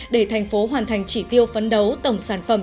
để thành phố hoàn thành chỉ tiêu phấn đấu tổng sản phẩm